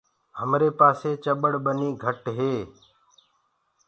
همري پآسي چڀڙ ٻني گھٽ هي۔